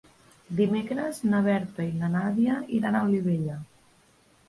Dimecres na Berta i na Nàdia iran a Olivella.